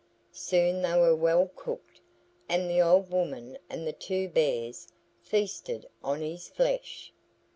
Soon they were well cooked and the old woman and the two bears feasted on his flesh.